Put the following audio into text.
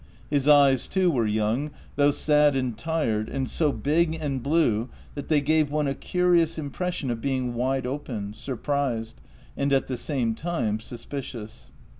His eyes too were young, though sad and tired and so big and blue that they gave one a curious impression of being wide open, surprised, and at the same time suspicious.